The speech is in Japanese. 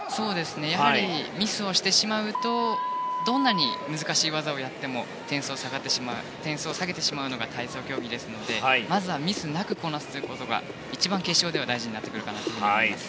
やはりミスをしてしまうとどんなに難しい技をやっても点数を下げてしまうのが体操競技ですのでまずはミスなくこなすということが一番決勝では大事になってくると思います。